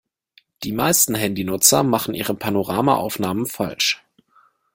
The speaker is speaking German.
Die meisten Handynutzer machen ihre Panoramaaufnahmen falsch.